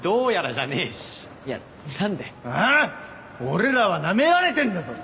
俺らはナメられてんだぞ。